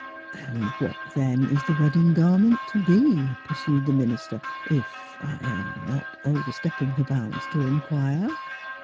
" And what then is the wedding gar ment to be?" pursued the minister, "if I am not overstepping the bounds to in quire."